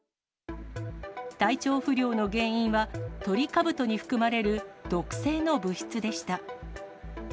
体調不良の原因は、トリカブトに含まれる毒性の物質でした。